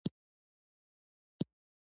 تنوع د افغانانو د معیشت سرچینه ده.